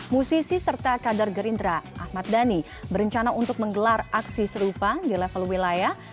musisi serta kader gerindra ahmad dhani berencana untuk menggelar aksi serupa di level wilayah